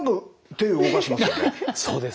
そうです。